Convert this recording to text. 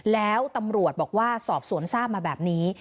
แล้วตำรวจบอกว่าสอบสวนทราบมาแบบนี้